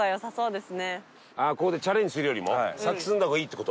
ここでチャレンジするよりも先進んだ方がいいって事？